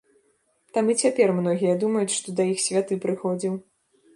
Там і цяпер многія думаюць, што да іх святы прыходзіў.